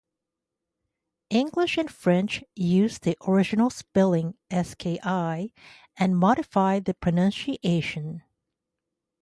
English and French use the original spelling "ski", and modify the pronunciation.